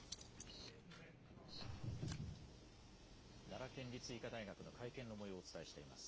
奈良県立医科大学の会見のもようをお伝えしています。